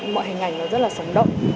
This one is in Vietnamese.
mọi hình ảnh nó rất là sống động